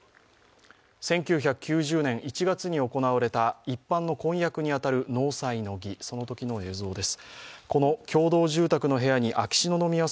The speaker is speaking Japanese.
１９９０年１月に行われた一般の婚約に当たる納采の儀、そのときの映像です。